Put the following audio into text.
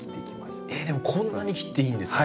えっでもこんなに切っていいんですか？